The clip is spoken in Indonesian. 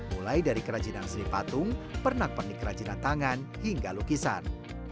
mulai dari kerajinan seri patung pernak pernik kerajinan tangan hingga lukisan